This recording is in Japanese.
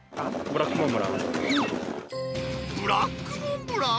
ブラックモンブラン。